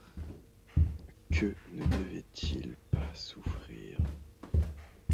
Que ne devaient-ils pas souffrir ?